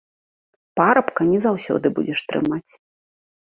Парабка не заўсёды будзеш трымаць.